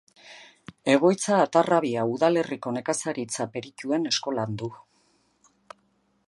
Egoitza Atarrabia udalerriko Nekazaritza-Perituen Eskolan du.